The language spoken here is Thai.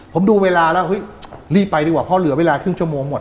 ผมดูเวลาแล้วเฮ้ยรีบไปดีกว่าเพราะเหลือเวลาครึ่งชั่วโมงหมด